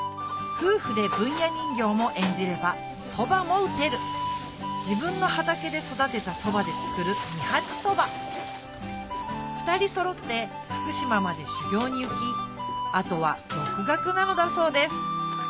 夫婦で文弥人形も演じればそばも打てる自分の畑で育てたそばで作る二八そば２人そろって福島まで修業に行きあとは独学なのだそうです